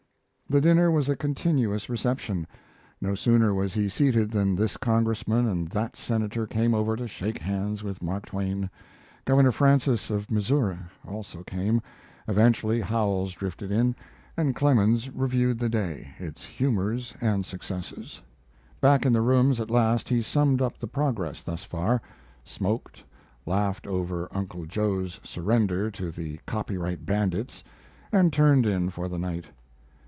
The dinner was a continuous reception. No sooner was he seated than this Congressman and that Senator came over to shake hands with Mark Twain. Governor Francis of Missouri also came. Eventually Howells drifted in, and Clemens reviewed the day, its humors and successes. Back in the rooms at last he summed up the progress thus far smoked, laughed over "Uncle Joe's" surrender to the "copyright bandits," and turned in for the night.